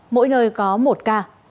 mỗi nơi có một ca